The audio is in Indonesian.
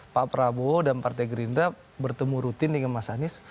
pak prabowo dan partai gerindra bertemu rutin dengan mas anies